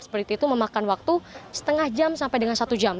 seperti itu memakan waktu setengah jam sampai dengan satu jam